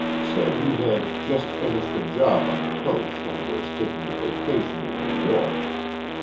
Said he had "just finished a job on the Coast and was taking a vacation in New York."